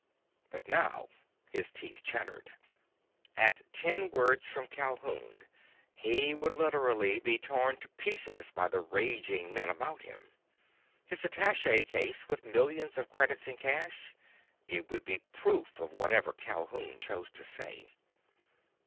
But now his teeth chattered. At ten words from Calhoun he would literally be torn to pieces by the raging men about him. His attache case with millions of credits in cash—it would be proof of whatever Calhoun chose to say.